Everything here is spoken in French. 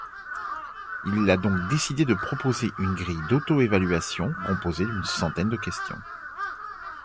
Il a donc décidé de proposer une grille d'auto-évaluation composée d'une centaine de questions.